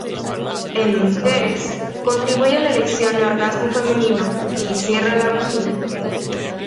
En mujeres contribuye a la erección y orgasmo femenino y cierra la vagina.